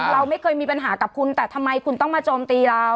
เราไม่เคยมีปัญหากับคุณแต่ทำไมคุณต้องมาโจมตีเรา